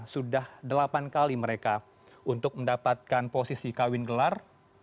sudah delapan kali mereka untuk mendapatkan posisi kawin gelar